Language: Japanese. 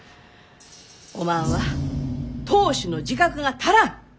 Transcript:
おまんは当主の自覚が足らん！